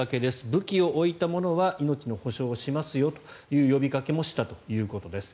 武器を置いた者は命の保証をしますよという呼びかけもしたということです。